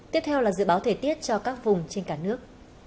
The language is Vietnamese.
tiếp theo là dự báo thời tiết cho các vùng trên cả nước